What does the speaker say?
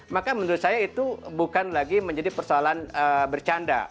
maka menurut saya itu bukan lagi menjadi persoalan bercanda